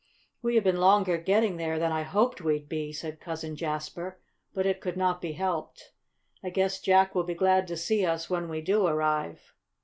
"We have been longer getting there than I hoped we'd be," said Cousin Jasper, "but it could not be helped. I guess Jack will be glad to see us when we do arrive."